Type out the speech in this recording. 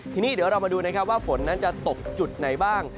ทีนี้เดี๋ยวเรามาดูนะครับว่าฝนนั้นจะตกจุดไหนบ้าง